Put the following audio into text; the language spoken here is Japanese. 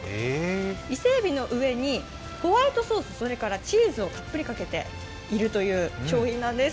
伊勢えびの上にホワイトソース、それからチーズをたっぷりかけてる商品なんです。